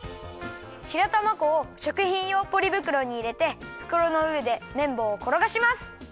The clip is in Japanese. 白玉粉をしょくひんようポリぶくろにいれてふくろのうえでめんぼうをころがします。